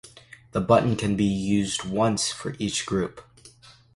The button can be used once for each group.